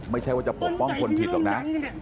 ไม่ใช่ว่าจะปกป้องคนผิดหรอกนะ